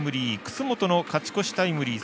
楠本の勝ち越しタイムリー。